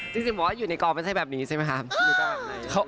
จริงบอกว่าอยู่ในกองไม่ใช่แบบนี้ใช่ไหมครับ